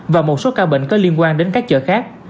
và một số ca bệnh có liên quan đến các chợ khác